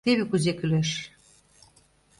Теве кузе кӱлеш...